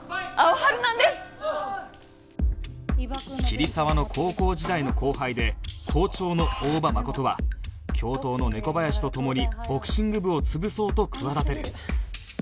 桐沢の高校時代の後輩で校長の大場麻琴は教頭の猫林と共にボクシング部を潰そうと企てる